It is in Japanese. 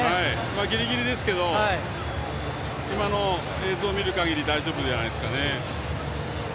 ぎりぎりですけど今の映像見るかぎり大丈夫じゃないですかね。